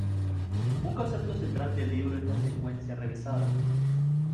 Un concepto central del libro es la secuencia revisada.